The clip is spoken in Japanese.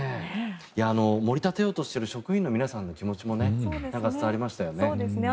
盛り立てようとしている職員の皆さんの気持ちもなんか伝わりましたよね。